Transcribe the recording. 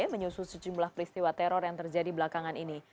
menyusul sejumlah peristiwa teror yang terjadi belakangan ini